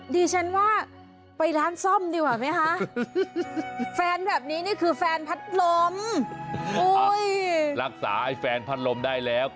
ดิฉันว่าไปร้านซ่อมดีกว่าไหมคะ